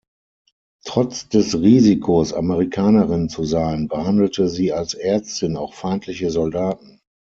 Trotz des Risikos, Amerikanerin zu sein, behandelte sie als Ärztin auch feindliche Soldaten.